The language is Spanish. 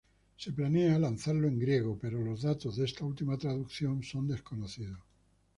Se planea lanzarlo en Griego, pero los datos de esta última traducción son desconocidos.